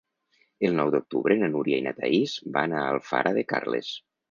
El nou d'octubre na Núria i na Thaís van a Alfara de Carles.